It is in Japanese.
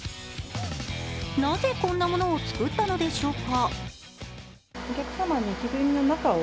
なぜ、こんなものを作ったのでしょうか。